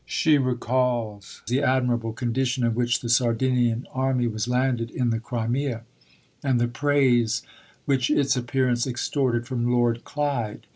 She recalls the admirable condition in which the Sardinian army was landed in the Crimea, and the praise which its appearance extorted from Lord Clyde.